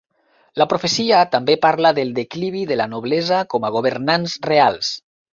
La profecia també parla del declivi de la noblesa com a governants reals.